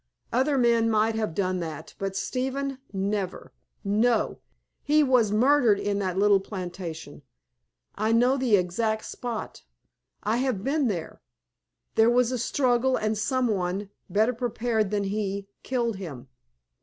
Other men might have done that, but Stephen never! No. He was murdered in that little plantation. I know the exact spot. I have been there. There was a struggle, and some one, better prepared than he, killed him.